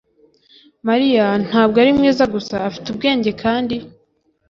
Mariya ntabwo ari mwiza gusa afite ubwenge kandi